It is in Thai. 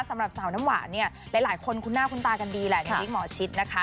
สำหรับสาวน้ำหวานเนี่ยหลายคนคุ้นหน้าคุณตากันดีแหละในวิกหมอชิดนะคะ